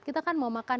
kita kan mau makan